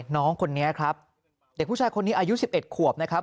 น้องคนนี้ครับเด็กผู้ชายคนนี้อายุ๑๑ขวบนะครับ